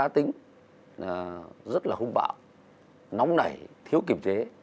tính rất là hung bạo nóng nảy thiếu kiểm chế